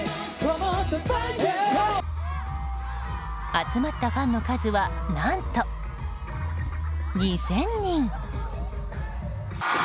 集まったファンの数は何と２０００人。